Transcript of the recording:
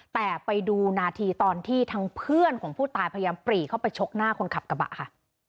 แต่ไปดูนาทีตอนที่ทางเพื่อนของผู้ตายพยายามปรีเข้าไปชกหน้าคนขับกระบะค่ะ